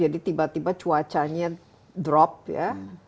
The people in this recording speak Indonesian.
jadi tiba tiba cuacanya drop ya